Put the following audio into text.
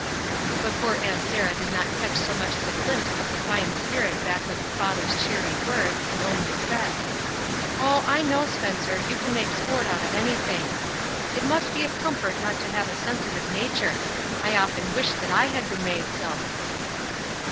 But poor Aunt Sarah did not catch so much as a glimpse of the fine spirit back of the father's cheery words, and only said:— " Oh, I know, Spencer, you can make sport out of anything. It must be a comfort not to have a sensitive nature; I often wish that I had been made so."